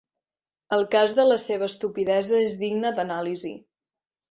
El cas de la seva estupidesa és digne d'anàlisi.